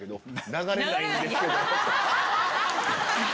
「流れないんです」。